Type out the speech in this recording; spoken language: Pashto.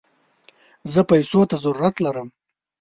زه پيسوته ضرورت لم